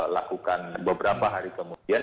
lakukan beberapa hari kemudian